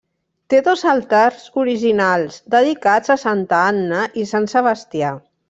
Té dos altars originals, dedicats a Santa Anna i Sant Sebastià.